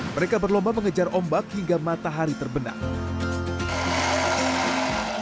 mereka berlomba mengejar ombak hingga matahari terbenam